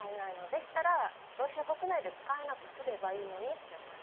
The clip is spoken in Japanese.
でしたらロシア国内で使えなくすればいいのにって思いますね。